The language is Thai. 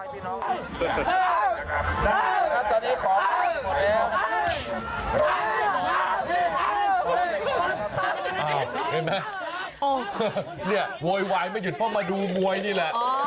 เห็นไหมโฮโหยไวไม่หยุดเพราะมาดูมวยนี่แหละ